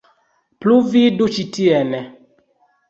Plu vidu ĉi tien.